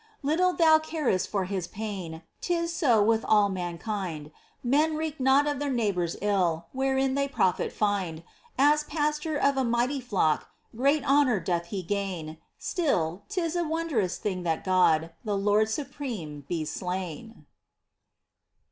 Little thou carest for His pain ! 'Tis so with all mankind : Men reck not of their neighbour's ill Wherein they profit find. — As Pastor of a mighty nock Great honour doth He gain. — Still, 'tis a wondrous thing that God, The Lord supreme, be slain